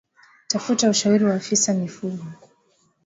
Tafuta ushauri wa afisa mifugo